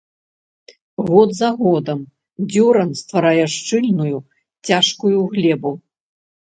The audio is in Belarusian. Год за годам дзёран стварае шчыльную, цяжкую глебу.